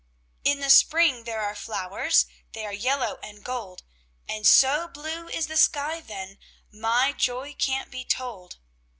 "In the spring there are flowers They are yellow and gold, And so blue is the sky then My joy can't be told.